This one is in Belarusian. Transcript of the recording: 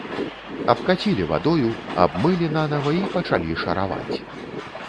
Абкацілі вадою, абмылілі нанава і пачалі шараваць.